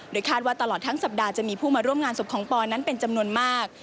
คาดว่าตลอดทั้งสัปดาห์จะมีผู้มาร่วมงานศพของปอนั้นเป็นจำนวนมาก